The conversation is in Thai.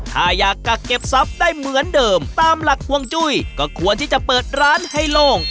ถ้าอยากกักเก็บทรัพย์ได้เหมือนเดิมตามหลักห่วงจุ้ยก็ควรที่จะเปิดร้านให้โล่ง